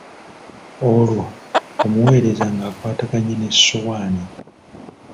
Olwo omuweereza ng'akwataganye n'essowaani.